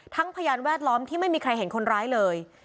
พยานแวดล้อมที่ไม่มีใครเห็นคนร้ายเลย